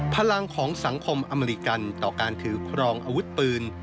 พลังของสังคมอเมริกันต่อการถือครองอาวุธปืน